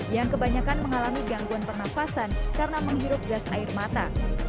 yang kebanyakan mengalami gangguan pernafasan karena menghirup gas air mata